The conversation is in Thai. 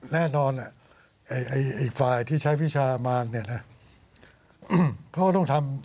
แน่นอนอีกฝ่ายที่ใช้วิชามารเนี่ยนะเขาก็ต้องทำ